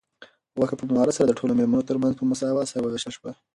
غوښه په مهارت سره د ټولو مېلمنو تر منځ په مساوات سره وویشل شوه.